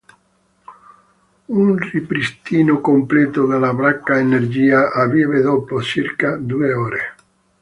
Un ripristino completo della barra Energia avviene dopo circa due ore.